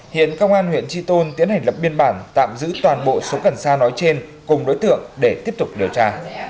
hiện công an huyện tri tôn tiến hành lập biên bản tạm giữ toàn bộ số cần sa nói trên cùng đối tượng để tiếp tục điều tra